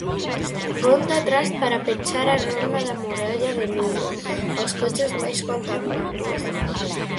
Conta atrás para pechar a Ronda da Muralla de Lugo aos coches máis contaminantes.